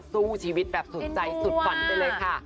สู้ชีวิตแบบสุดใจสุดฝันไปเลยค่ะ